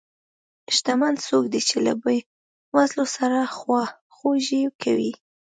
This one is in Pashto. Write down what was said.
شتمن څوک دی چې له بې وزلو سره خواخوږي کوي.